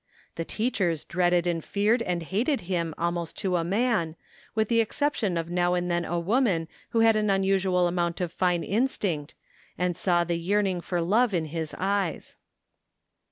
The teachers dreaded and feared and hated him almost to a man, with the exception of now and then a woman who had an unusual amount of fine instinct and saw the yearning for love in his jeyes.